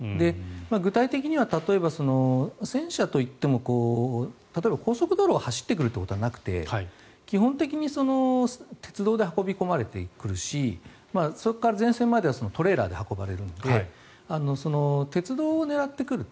具体的には例えば、戦車といっても例えば、高速道路を走ってくるということはなくて基本的に鉄道で運び込まれてくるしそこから前線まではトレーラーで運ばれるので鉄道を狙ってくると。